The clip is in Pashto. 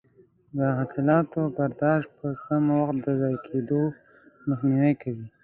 د حاصلاتو برداشت په سم وخت د ضایع کیدو مخنیوی کوي.